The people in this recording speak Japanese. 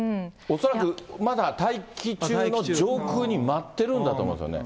恐らくまだ大気中の上空に舞ってるんだと思うんですよね。